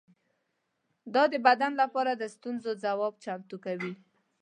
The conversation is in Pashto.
دا د بدن لپاره د ستونزو ځواب چمتو کوي.